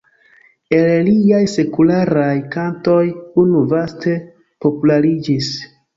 El liaj sekularaj kantoj unu vaste populariĝis.